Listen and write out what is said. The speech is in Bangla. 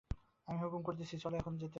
আমি হুকুম করছি, চলো এখন খেতে।